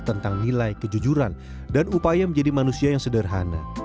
tentang nilai kejujuran dan upaya menjadi manusia yang sederhana